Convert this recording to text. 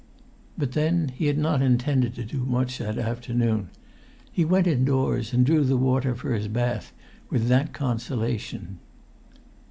But then he had not intended to do much that afternoon; he went indoors, and drew the water for his bath with that consolation.